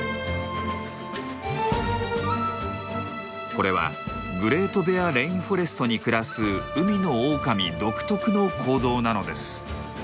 これはグレート・ベア・レインフォレストに暮らす海のオオカミ独特の行動なのです。